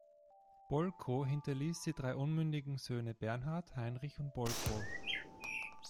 Bolko hinterließ die drei unmündigen Söhne Bernhard, Heinrich und Bolko.